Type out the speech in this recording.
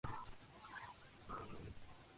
Estaba al mando del capitán de fragata Jorge Montt.